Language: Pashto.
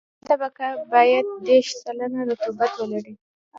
دا طبقه باید دېرش سلنه رطوبت ولري